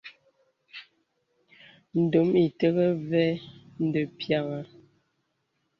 Ndōm iterəŋ və̀ mde piàŋha.